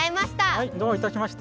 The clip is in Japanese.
はいどういたしまして！